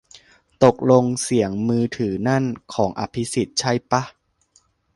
ตกลงเสียงมือถือนั่น ของอภิสิทธิ์ใช่ป่ะ